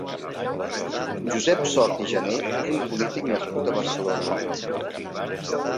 Josep Sort i Jané és un polític nascut a Barcelona.